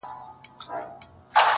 زما د زړه گلونه ساه واخلي